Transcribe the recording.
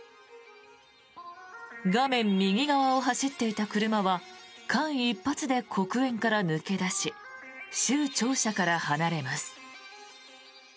画面右側を走っていた車は間一髪で黒煙から抜け出し州庁舎から離れます。